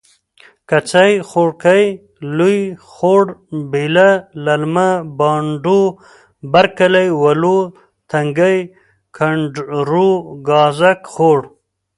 کڅۍ.خوړګۍ.لوی خوړ.بیله.للمه.بانډو.برکلی. ولو تنګی.کنډرو.ګازرک خوړ.